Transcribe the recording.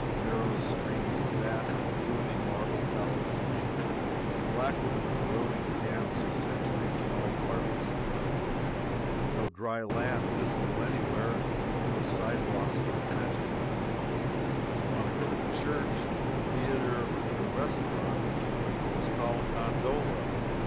Narrow streets, vast, gloomy marble palaces, black with the corroding damps of centuries, and all partly submerged; no dry land visible any where, and no sidewalks worth mentioning; if you want to go to church, to the theatre, or to the restaurant, you must call a gondola.